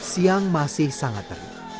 siang masih sangat terik